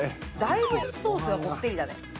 だいぶソースがこってりだね。